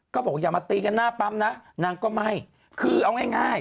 ก็บอกอย่ามาตีกันหน้าปั๊มนะนางก็ไม่คือเอาง่าย